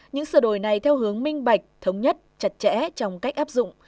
những sửa đổi này theo hướng minh bạch thống nhất chặt chẽ trong cách áp dụng